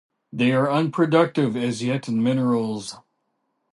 They are unproductive as yet in minerals.